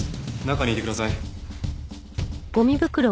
中にいてください。